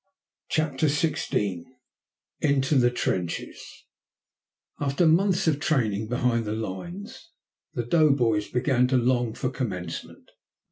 CHAPTER XVI INTO THE TRENCHES After months of training behind the lines the doughboys began to long for commencement.